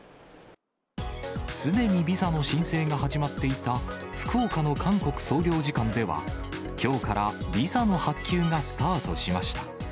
すでにビザの申請が始まっていた福岡の韓国総領事館では、きょうからビザの発給がスタートしました。